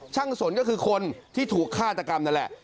สนก็คือคนที่ถูกฆาตกรรมนั่นแหละ